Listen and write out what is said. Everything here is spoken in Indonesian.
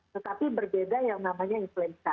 tetapi berbeda yang namanya influenza